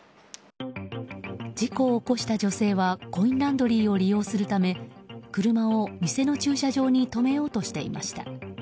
事故を起こした女性はコインランドリーを利用するため車を店の駐車場に止めようとしていました。